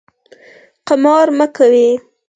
قمار مه کوئ